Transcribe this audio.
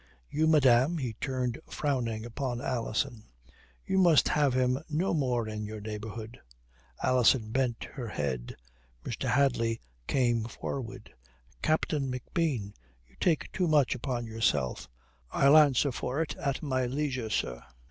You, madame," he turned frowning upon Alison, "you must have him no more in your neighbourhood." Alison bent her head. Mr. Hadley came forward. "Captain McBean, you take too much upon yourself." "I'll answer for it at my leisure, sir."